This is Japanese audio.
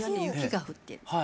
雪が降ってる。